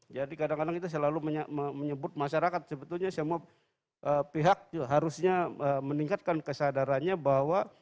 jadi kadang kadang kita selalu menyebut masyarakat sebetulnya semua pihak harusnya meningkatkan kesadarannya bahwa